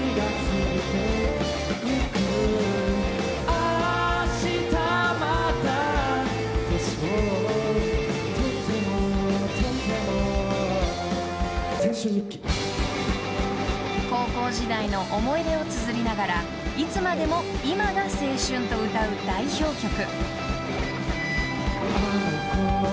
『青春日記』［高校時代の思い出をつづりながらいつまでも今が青春と歌う代表曲］